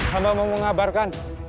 kau mau mengabarkan